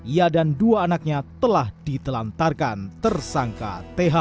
ia dan dua anaknya telah ditelantarkan tersangka th